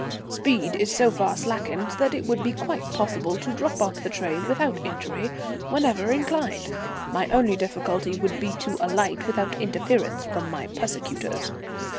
Speed is so far slackened that it would be quite possible to drop off the train without injury whenever inclined. My only difficulty would be to alight without interference from my persecutors.